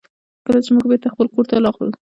کله چې موږ بېرته خپل کور ته راغلو.